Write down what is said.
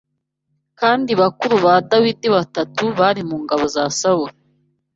Kandi bakuru ba Dawidi batatu bari mu ngabo za Sawuli